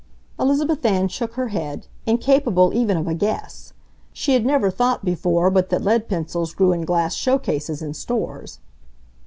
Elizabeth Ann shook her head, incapable even of a guess. She had never thought before but that lead pencils grew in glass show cases in stores.